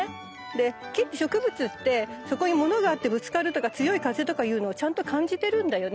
で木って植物ってそこに物があってぶつかるとか強い風とかいうのをちゃんと感じてるんだよね。